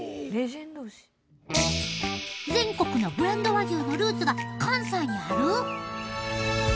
全国のブランド和牛のルーツが関西にある！？